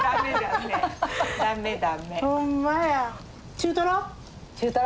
中トロ？